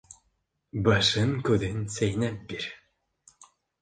Башын-күҙен сәйнәп бир.